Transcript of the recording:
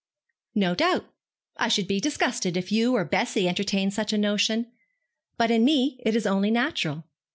'No doubt. I should be disgusted if you or Bessie entertained such a notion. But in me it is only natural.